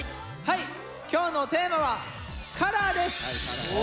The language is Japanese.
はい今日のテーマは「ＣＯＬＯＲ」です！